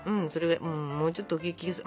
もうちょっと大きい気がする。